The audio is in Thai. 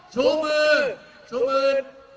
ชูมือชูมือ